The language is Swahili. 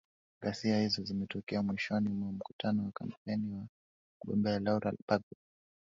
ghasia hizo zimetokea mwishoni mwa mkutano wa kampeni wa mgombea laura bagbo